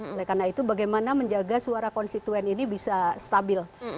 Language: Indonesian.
oleh karena itu bagaimana menjaga suara konstituen ini bisa stabil